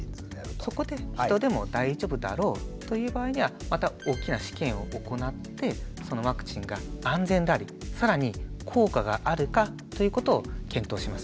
そこで人でも大丈夫だろうという場合にはまた大きな試験を行ってそのワクチンが安全であり更に効果があるかということを検討します。